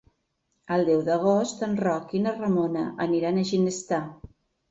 El deu d'agost en Roc i na Ramona aniran a Ginestar.